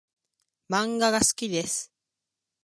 漫画が好きです。